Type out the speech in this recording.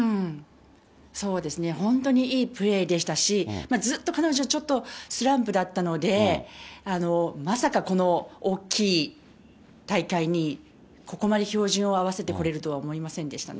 そうですね、本当にいいプレーでしたし、ずっと彼女、ちょっとスランプだったので、まさかこの大きい大会に、ここまで照準を合わせてこれるとは思いませんでしたね。